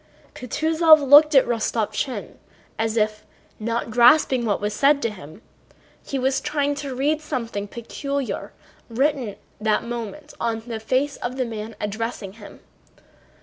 Kutúzov looked at Rostopchín as if, not grasping what was said to him, he was trying to read something peculiar written at that moment on the face of the man addressing him.